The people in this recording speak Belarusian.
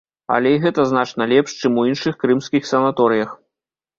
Але і гэта значна лепш, чым у іншых крымскіх санаторыях.